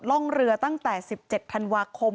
ร่องเรือตั้งแต่๑๗ธันวาคม